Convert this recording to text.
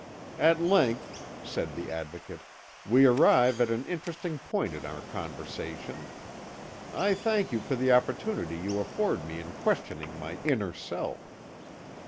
"At length," said the Advocate, "we arrive at an interesting point in our conversation. I thank you for the opportunity you afford me in questioning my inner self.